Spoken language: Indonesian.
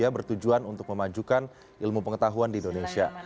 bertujuan untuk memajukan ilmu pengetahuan di indonesia